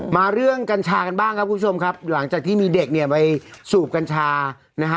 มาเรื่องกัญชากันบ้างครับคุณผู้ชมครับหลังจากที่มีเด็กเนี่ยไปสูบกัญชานะฮะ